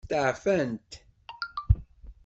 Steɛfant.